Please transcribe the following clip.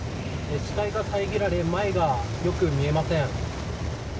視界が遮られ前がよく見えません。